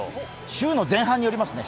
週の前半によりますね